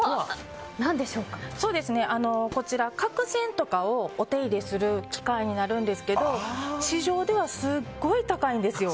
こちら、角腺とかをお手入れする機械になるんですけど市場ではすごい高いんですよ。